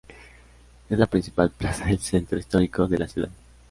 Es la principal plaza del centro histórico de la ciudad.